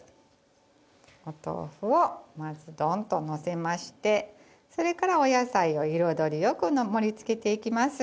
お豆腐をまずドンとのせましてそれからお野菜を彩りよく盛りつけていきます。